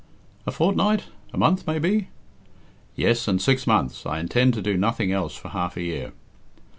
"A fortnight a month may be?" "Yes, and six months I intend to do nothing else for half a year."